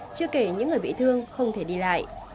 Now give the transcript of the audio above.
chưa kể những người bị thương không thể đi lại